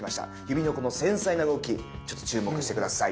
指のこの繊細な動きちょっと注目してください。